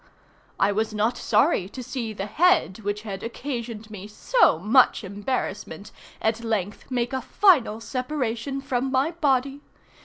I was not sorry to see the head which had occasioned me so much embarrassment at length make a final separation from my body.